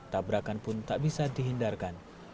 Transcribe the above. tabrakan pun tak bisa dihindarkan